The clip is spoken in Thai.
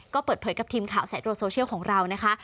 ก็เปิดเผยกับทีมข่าวสายตรวจโซเชียลของเรานะคะ